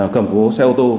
cầm cố xe ô tô